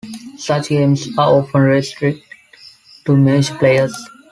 Such games are often restricted to mature players.